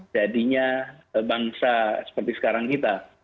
jadinya bangsa seperti sekarang kita